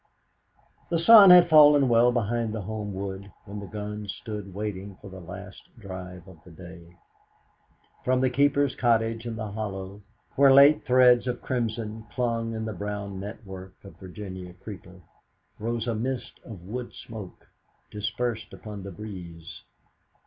The sun had fallen well behind the home wood when the guns stood waiting for the last drive of the day. From the keeper's cottage in the hollow, where late threads of crimson clung in the brown network of Virginia creeper, rose a mist of wood smoke, dispersed upon the breeze.